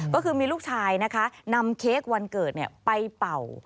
ก็คือมีลูกชายนะคะนำเค้กวันเกิดไปเป่า